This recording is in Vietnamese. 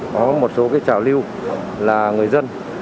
có một số cái trào lưu là người dân